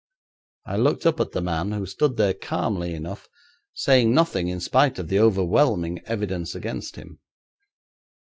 I looked up at the man, who stood there calmly enough, saying nothing in spite of the overwhelming evidence against him.